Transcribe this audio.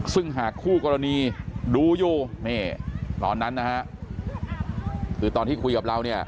ซึ่งหากคู่กรณีดูอยู่ตอนนั้นคือตอนที่คุยกับเรา